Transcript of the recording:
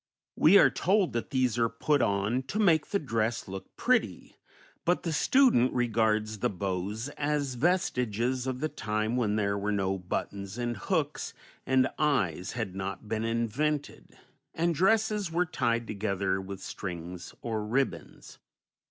We are told that these are put on "to make the dress look pretty," but the student regards the bows as vestiges of the time when there were no buttons and hooks and eyes had not been invented, and dresses were tied together with strings or ribbons.